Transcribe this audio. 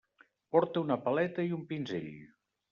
Porta una paleta i un pinzell.